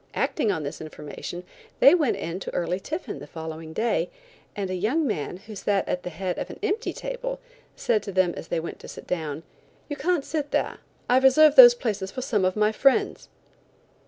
Acting on this information they went in to early tiffin the following day, and a young man who sat at the head of an empty table said to them as they went to sit down: "You can't sit there. I've reserved those places for some of my friends."